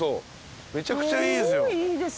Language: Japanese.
めちゃくちゃいいですよ。